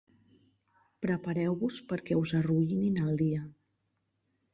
Prepareu-vos perquè us arruïnin el dia.